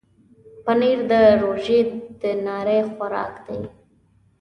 پنېر د روژې د ناري خوراک دی.